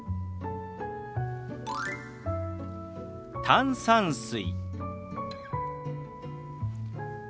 「炭酸水」。